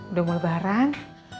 udah mulai barang